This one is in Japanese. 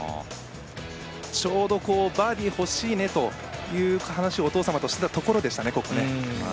ちょうどバーディーが欲しいねという話をお父様としていたところでしたね。